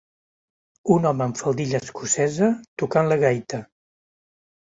Un home amb faldilla escocesa tocant la gaita.